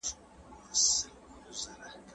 ته له مرګ څخه ولي ډاریږې؟